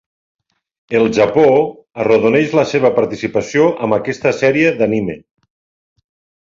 El Japó, arrodoneix la seva participació amb aquesta sèrie d'anime.